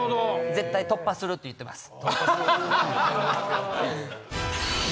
絶対突破すると言ってます。